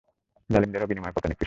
জালিমদের এ বিনিময় কত নিকৃষ্ট।